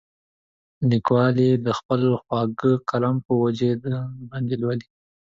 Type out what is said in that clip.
لیکوال یې د خپل خواږه قلم په وجه درباندې لولي.